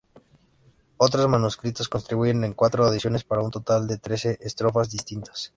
Otros manuscritos contribuyen con cuatro adicionales, para un total de trece estrofas distintas.